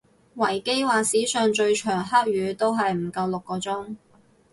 維基話史上最長黑雨都係唔夠六個鐘